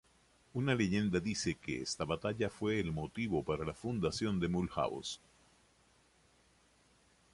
Una leyenda dice que esta batalla fue el motivo para la fundación de Mulhouse